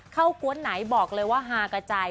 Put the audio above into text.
กวนไหนบอกเลยว่าฮากระจาย